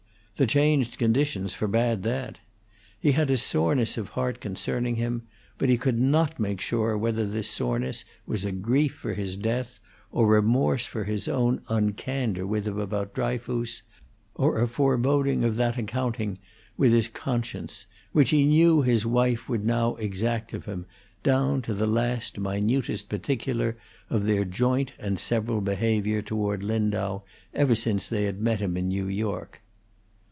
The changed conditions forbade that. He had a soreness of heart concerning him; but he could not make sure whether this soreness was grief for his death, or remorse for his own uncandor with him about Dryfoos, or a foreboding of that accounting with his conscience which he knew his wife would now exact of him down to the last minutest particular of their joint and several behavior toward Lindau ever since they had met him in New York.